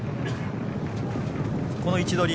この位置取り